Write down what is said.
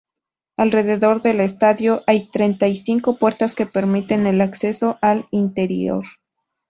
Alrededor del estadio hay treinta y cinco puertas que permiten el acceso al interior.